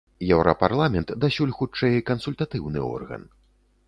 Еўрапарламент дасюль хутчэй кансультатыўны орган.